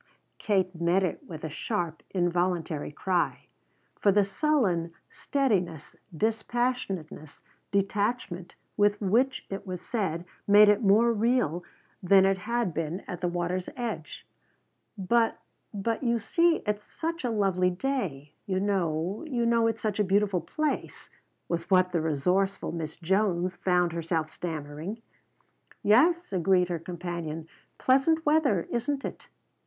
Kate met it with a sharp, involuntary cry. For the sullen steadiness, dispassionateness, detachment with which it was said made it more real than it had been at the water's edge. "But but you see it's such a lovely day. You know you know it's such a beautiful place," was what the resourceful Miss Jones found herself stammering. "Yes," agreed her companion, "pleasant weather, isn't it?"